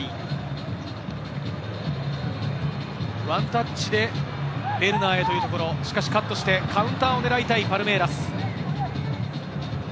ワンタッチでベルナーへというところ、しかしカットして、カウンターを狙いたいパルメイラス。